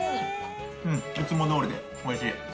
うんいつもどおりでおいしい！